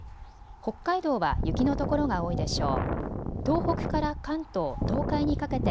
北海道は雪の所が多いでしょう。